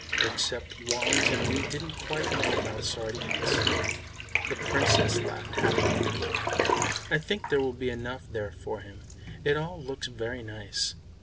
Except Woggs and me didn't quite know about sardines." The Princess laughed happily. "I think there will be enough there for him. It all looks very nice."